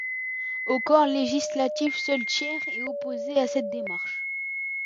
Au corps législatif, seul Thiers est opposé à cette démarche.